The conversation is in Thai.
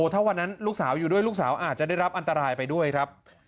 ถ้าวันนั้นลูกสาวอยู่ด้วยลูกสาวอาจจะได้รับอันตรายไปด้วยครับ